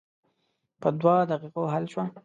په دوه دقیقو حل شوه.